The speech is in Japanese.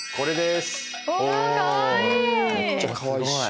めっちゃかわいいっしょ。